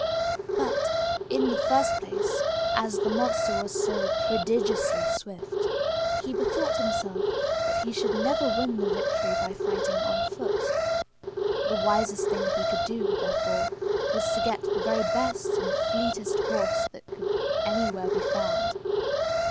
But, in the first place, as the monster was so prodigiously swift, he bethought himself that he should never win the victory by fighting on foot. The wisest thing he could do, therefore, was to get the very best and fleetest horse that could anywhere be found.